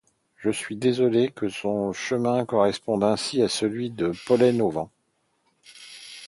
Je suis désolé que son destin corresponde ainsi à celui de Pollen au Vent.